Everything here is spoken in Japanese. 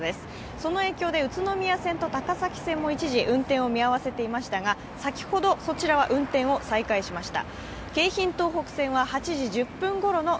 その影響で宇都宮線と高崎線も一時、運転を見合わせていましたが先ほどそちらは運転を再開しました。